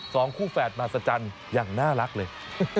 สองคู่แฝดมาสัจจันทร์อย่างน่ารักเลย